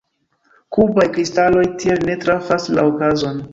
Kubaj kristaloj tiel ne trafas la okazon.